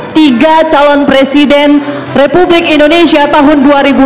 tiga calon presiden republik indonesia tahun dua ribu dua puluh